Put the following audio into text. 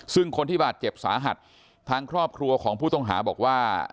ซึ่งคนที่บาดเจ็บสาหัสทางครอบครัวของผู้ต้องหาบอกว่า